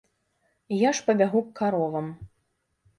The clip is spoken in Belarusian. Я ж пабягу к каровам.